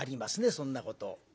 そんなこと。